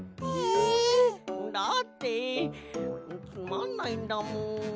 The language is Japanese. だってつまんないんだもん。